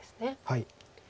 はい。